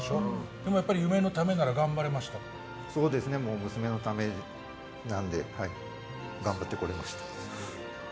でもやっぱり夢のためならそうですね、娘のためなので頑張ってこられました。